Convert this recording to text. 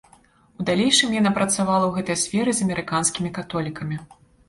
У далейшым яна працавала ў гэтай сферы з амерыканскімі католікамі.